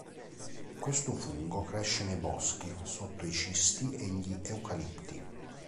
Questo fungo cresce nei boschi, sotto i cisti e gli eucalipti.